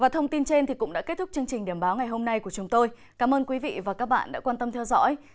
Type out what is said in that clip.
thông tin trên cũng đã kết thúc chương trình điểm báo ngày hôm nay của chúng tôi cảm ơn quý vị và các bạn đã quan tâm theo dõi xin kính chào và hẹn gặp lại